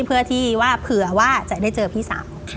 เพื่อที่ว่าเผื่อว่าจะได้เจอพี่สาว